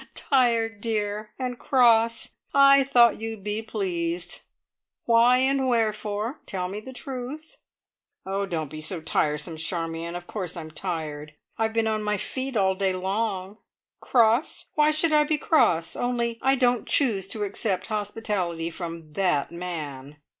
"Tired, dear, and cross? I thought you'd be pleased. Why and wherefore? Tell me the truth?" "Oh, don't be so tiresome, Charmion. Of course I am tired. I've been on my feet all day long. Cross! Why should I be cross? Only I don't choose to accept hospitality from that man.